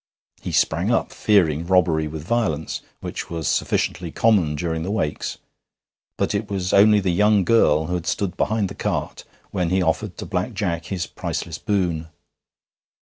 He sprang up, fearing robbery with violence, which was sufficiently common during the Wakes; but it was only the young girl who had stood behind the cart when he offered to Black Jack his priceless boon.